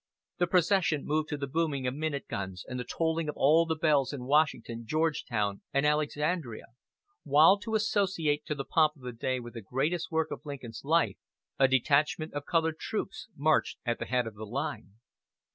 The procession moved to the booming of minute guns, and the tolling of all the bells in Washington, Georgetown and Alexandria; while, to associate the pomp of the day with the greatest work of Lincoln's life, a detachment of colored troops marched at the head of the line.